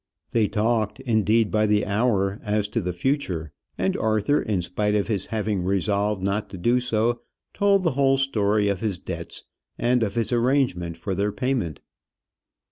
They talked, indeed, by the hour as to the future; and Arthur, in spite of his having resolved not to do so, told the whole story of his debts, and of his arrangement for their payment.